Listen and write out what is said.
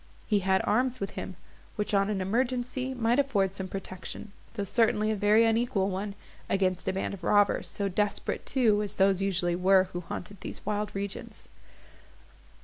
He had arms with him, which, on an emergency, might afford some protection, though certainly a very unequal one, against a band of robbers, so desperate too as those usually were who haunted these wild regions.